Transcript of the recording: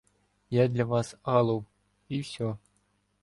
Я для вас Алов — і всьо.